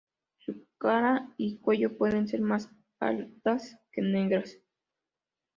Su cara y cuello pueden ser más pardas que negras.